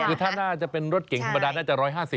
คือถ้าน่าจะเป็นรถเก่งธรรมดาน่าจะ๑๕๐